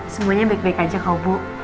semuanya baik baik aja kalau bu